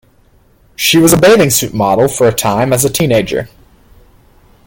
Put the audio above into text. She was a bathing suit model for a time as a teenager.